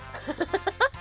ハハハハハ。